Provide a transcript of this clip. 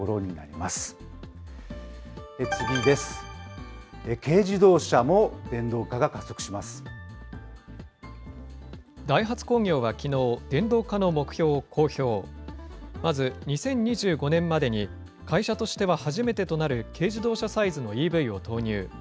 まず、２０２５年までに、会社としては初めてとなる軽自動車サイズのＥＶを投入。